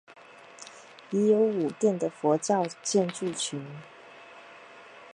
已有五殿的佛教建筑群。